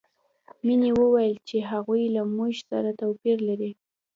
مینې وویل چې هغوی له موږ سره توپیر لري